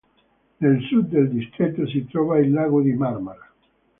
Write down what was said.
Nel sud del distretto si trova il lago di Marmara.